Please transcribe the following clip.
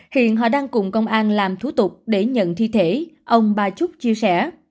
hiện họ đang cùng công an làm thú tục để nhận thi thể ông ba trúc chia sẻ